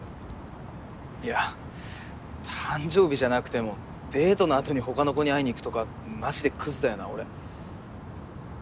いや誕生日じゃなくてもデートのあとに他の子に会いにいくとかマジでくずだよな俺。